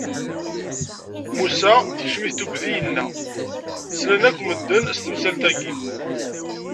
Musa tekcem-it tugdi, inna: Slan akk medden s temsalt-agi!